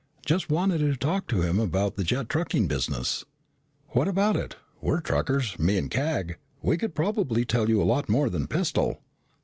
"Just wanted to talk to him about the jet trucking business." "What about it? We're truckers, me and Cag, we could probably tell you a lot more than Pistol."